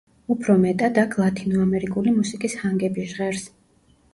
უფრო მეტად აქ ლათინო ამერიკული მუსიკის ჰანგები ჟღერს.